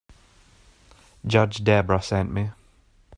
Judge Debra sent me.